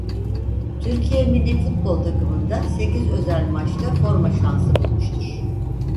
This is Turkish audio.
Türkiye millî futbol takımında sekiz özel maçta forma şansı bulmuştur.